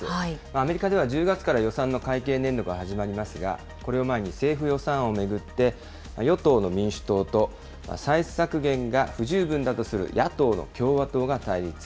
アメリカでは、１０月から予算の会計年度が始まりますが、これを前に政府予算案を巡って、与党の民主党と、歳出削減が不十分だとする野党の共和党が対立。